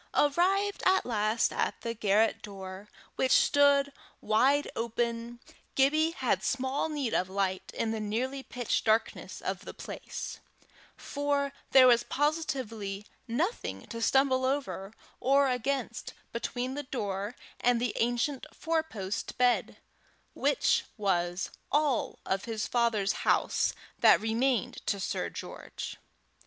Arrived at last at the garret door, which stood wide open, Gibbie had small need of light in the nearly pitch darkness of the place, for there was positively nothing to stumble over or against between the door and the ancient four post bed, which was all of his father's house that remained to Sir George.